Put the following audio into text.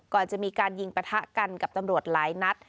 ก่อนจะมีการยิงปะทะกันกับตำรวจหลายนัด